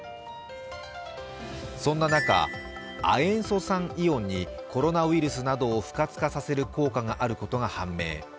そんな中、亜塩素酸イオンにコロナウイルスなどを不活化させる効果があることが判明。